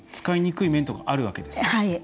使いにくい面とかあるわけですね。